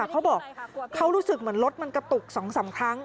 เขาบอกเขารู้สึกเหมือนรถมันกระตุก๒๓ครั้ง